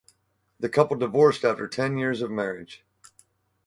The couple divorced after ten years of marriage.